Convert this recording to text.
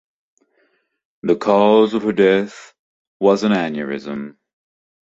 The cause of her death was an aneurysm.